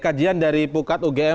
kajian dari pukat ugm